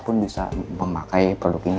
eh kamu mikir dong